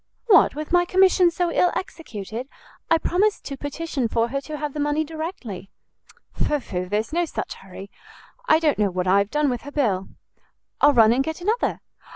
"What, with my commission so ill executed? I promised to petition for her to have the money directly." "Pho, pho, there's no such hurry; I don't know what I have done with her bill." "I'll run and get another."